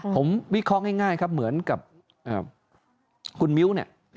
ผมวิเคราะห์ง่ายครับเหมือนกับคุณมิ้วเนี่ย